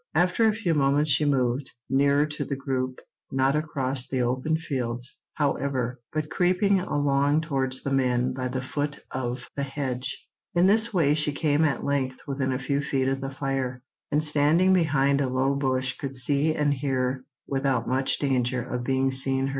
After a few moments she moved nearer to the group, not across the open fields, however, but creeping along towards the men by the foot of the hedge. In this way she came at length within a few feet of the fire, and standing behind a low bush could see and hear without much danger of being seen herself.